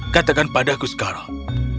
katakan padaku sekarang